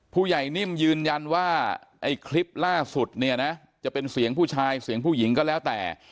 นิ่มยืนยันว่าไอ้คลิปล่าสุดเนี่ยนะจะเป็นเสียงผู้ชายเสียงผู้หญิงก็แล้วแต่